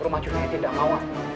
rumah junaid tidak mau